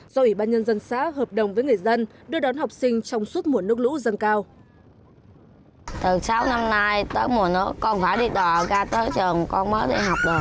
do ủy ban nhân dân xã hợp đồng với người dân đưa đón học sinh trong suốt mùa nước lũ dâng cao